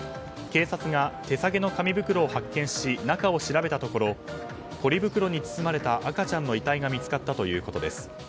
警察が手提げの紙袋を発見し中を調べたところポリ袋に包まれた赤ちゃんの遺体が見つかったということです。